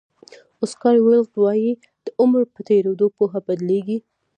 اوسکار ویلډ وایي د عمر په تېرېدو پوهه بدلېږي.